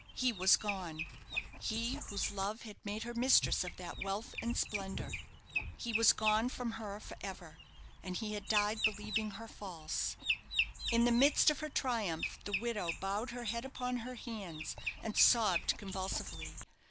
He was gone he whose love had made her mistress of that wealth and splendour. He was gone from her for ever, and he had died believing her false. In the midst of her triumph the widow bowed her head upon her hands, and sobbed convulsively.